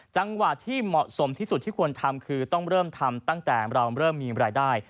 จังหวะที่เหมาะสมที่สุดที่ควรทำคือต้องเริ่มทำตั้งแต่เราเริ่มมีรายได้